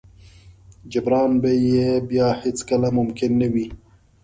جبران به يې بيا هېڅ کله ممکن نه وي.